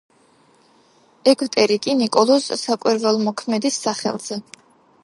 ეგვტერი კი ნიკოლოზ საკვირველთმოქმედის სახელზე.